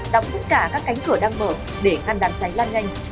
đóng tất cả các cánh cửa đang mở để ngăn đám cháy lan nhanh